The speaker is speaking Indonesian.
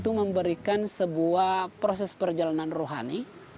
itu memberikan sebuah proses perjalanan rohani